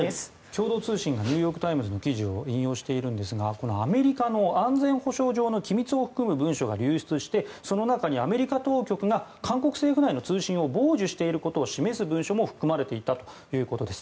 共同通信がニューヨーク・タイムズの記事を引用しているんですがアメリカの安全保障上の機密を含む文書が流出してその中にアメリカ当局が韓国政府内の通信を傍受していることを示す文書も含まれていたということです。